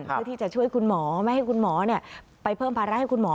เพื่อที่จะช่วยคุณหมอไม่ให้คุณหมอไปเพิ่มภาระให้คุณหมอ